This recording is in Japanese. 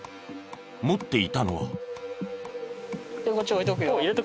持っていたのは。